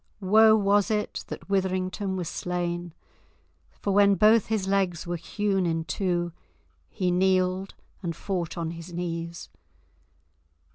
Woe was it that Witherington was slain, for when both his legs were hewn in two he kneeled and fought on his knees.